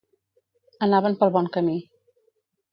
Anaven pel bon camí.